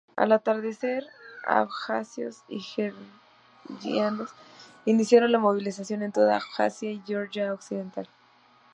Al atardecer, abjasios y georgianos iniciaron la movilización en toda Abjasia y Georgia occidental.